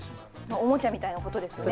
おもちゃみたいなことですよね